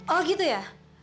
oh gitu ya